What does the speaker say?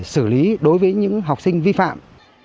xử lý đối với những học sinh vi phạm